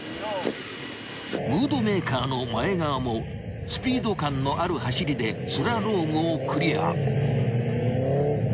［ムードメーカーの前川もスピード感のある走りでスラロームをクリア］